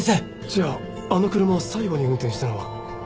じゃああの車を最後に運転したのは古久沢？